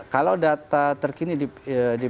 kalau data terkini di